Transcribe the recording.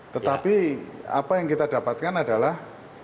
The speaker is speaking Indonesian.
tetapi apa yang kita dapatkan adalah